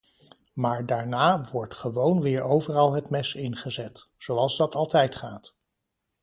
Maar daarna wordt gewoon weer overal het mes in gezet, zoals dat altijd gaat.